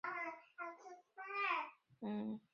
同年亦从华盛顿州基斯勒堡陆空联合作战学校结业。